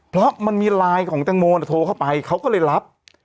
เพราะมันมีไลน์ของแตงโมโทรเข้าไปเขาก็เลยรับ